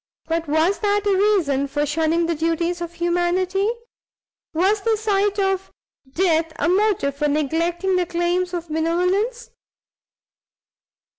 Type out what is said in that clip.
but was that a reason for shunning the duties of humanity? was the sight of death a motive for neglecting the claims of benevolence?